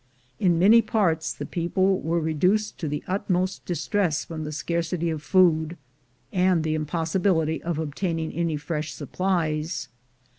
In many parts the people were reduced to the utmost distress from the scarcity of food, and the impossibility of obtaining any fresh supplies.